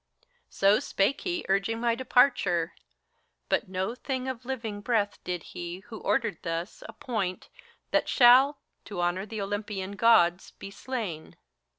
So spake he, urging my departure ; but no thing Of living breath did he, who ordered thus, appoint, That shall, to honor the Olympian Gods, be slain.